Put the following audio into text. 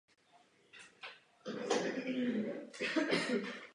Syn Ruprecht se stal římským králem.